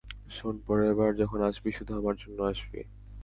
শোন, পরের বার যখন আসবি, শুধু আমার জন্য আসবি।